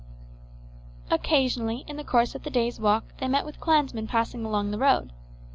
Occasionally in the course of the day's walk they met with clansmen passing along the road.